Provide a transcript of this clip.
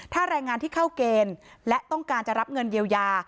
ถ้าแรงงานที่เข้าเกณฑ์และต้องการจะรับเงินเยียวยา